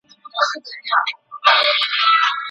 استاد به د شاګرد موضوع منلې وي.